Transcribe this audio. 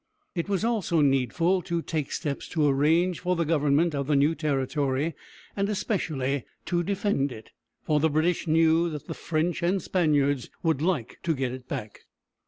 It was also needful to take steps to arrange for the government of the new territory, and especially to defend it, for the British knew that the French and Spaniards would like to get it back.